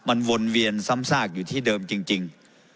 มันวนเวียนซ้ำซากอยู่ที่เดิมจริง